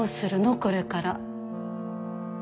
これから。